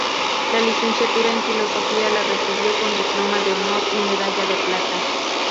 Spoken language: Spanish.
La licenciatura en filosofía la recibió con diploma de honor y medalla de plata.